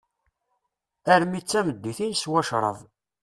Armi d-tameddit, i neswa crab.